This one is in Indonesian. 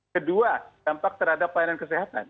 kedua dampak terhadap pelayanan kesehatan